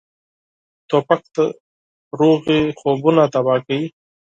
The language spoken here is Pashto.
توپک د سولې خوبونه تباه کوي.